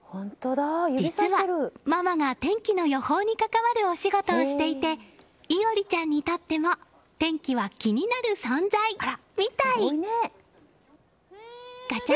実は、ママが天気の予報に関わるお仕事をしていて衣織ちゃんにとっても天気は気になる存在みたい。